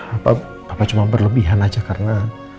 apa apa cuma berlebihan aja karena